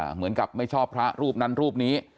เหมือนกับไม่ชอบพระรูปนั้นรูปนี้